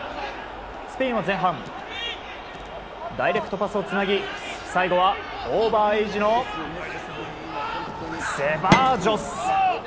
スペインは前半ダイレクトパスをつなぎ最後は、オーバーエージのセバージョス。